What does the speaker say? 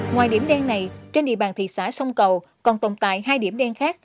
ngoài điểm đen này trên địa bàn thị xã sông cầu còn tồn tại hai điểm đen khác